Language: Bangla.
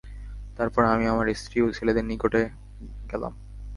তারপর আমি আমার স্ত্রী ও ছেলেদের নিকট গেলাম।